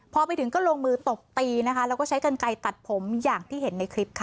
พอไปถึงก็ลงมือตบตีนะคะแล้วก็ใช้กันไกลตัดผมอย่างที่เห็นในคลิปค่ะ